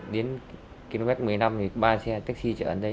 đến km một mươi năm ba xe taxi chở đến đấy